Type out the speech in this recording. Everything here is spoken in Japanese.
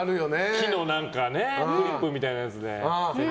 木のクリップみたいなので。